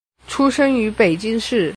出生于北京市。